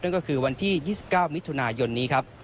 ก็คือวันที่๒๙มิถุนายนนี้ครับ